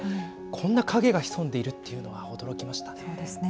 こんな影が潜んでいるというのは驚きでしたね。